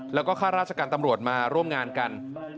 แล้วก็ข้าราชการตำรวจมาร่วมงานกัน